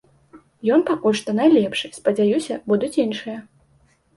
Ён пакуль што найлепшы, спадзяюся, будуць іншыя.